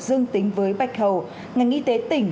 dương tính với bạch khầu ngành y tế tỉnh